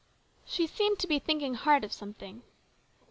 She seemed to be thinking hard of something.